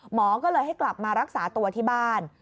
หมอก็เลยให้กลับมารักษาตัวที่บ้าน